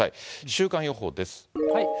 週間予報です。